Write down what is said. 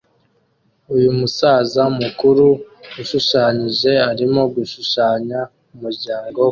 Uyu musaza mukuru ushushanyije arimo gushushanya umuryango we